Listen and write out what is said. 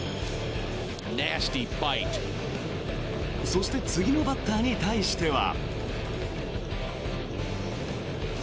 そして次のバッターに対しては。